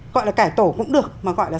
gọi là cải tổ cũng được mà gọi là